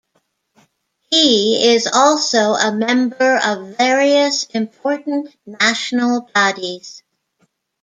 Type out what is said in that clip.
He is also a member of various important national bodies.